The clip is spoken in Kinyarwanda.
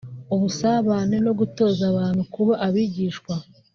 ubusabane no gutoza abantu kuba abigishwa